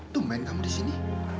tumben kamu disini